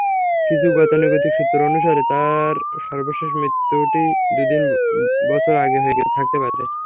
কিছু গতানুগতিক সূত্র অনুসারে, তাঁর সর্বশেষ মৃত্যুটি দু-তিন বছর আগে হয়ে থাকতে পারে।